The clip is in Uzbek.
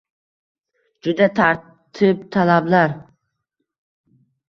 Juda tartibtalablar